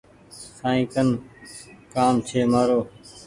سائين ڪن ڪآم ڇي مآرو ۔